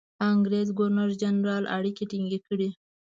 انګرېز ګورنرجنرال اړیکې ټینګ کړي.